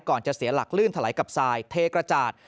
ก่อนจะเสียหลักมุมลื่นทะเลนั่งกับทรายเทกระจาด